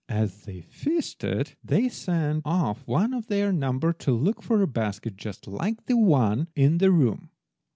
As they feasted they sent off one of their number to look for a basket just like the one in the room.